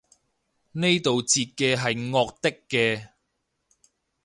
呢度截嘅係惡啲嘅